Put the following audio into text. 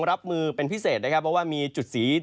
รับมือเป็นพิเศษนะครับเพราะว่ามีจุดสี